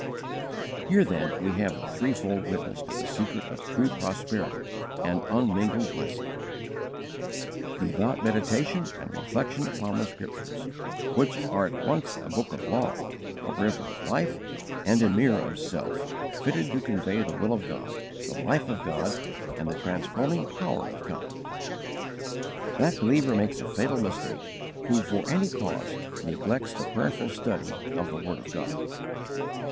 Here then we have a threefold witness to the secret of true prosperity and unmingled blessing: devout meditation and reflection upon the Scriptures, which are at once a book of law, a river of life, and a mirror of self fitted to convey the will of God, the life of God, and the transforming power of God. That believer makes a fatal mistake who for any cause neglects the prayerful study of the word of God.